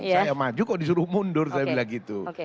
saya maju kok disuruh mundur saya bilang gitu